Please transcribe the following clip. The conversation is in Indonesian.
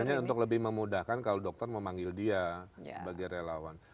hanya untuk lebih memudahkan kalau dokter memanggil dia sebagai relawan